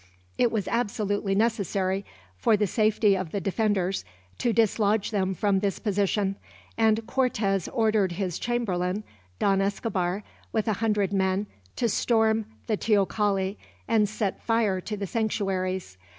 It was absolutely necessary, for the safety of the defenders, to dislodge them from this position; and Cortez ordered his chamberlain, Don Escobar, with a hundred men, to storm the teocalli and set fire to the sanctuaries.